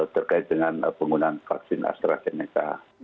terkait dengan penggunaan vaksin astrazeneca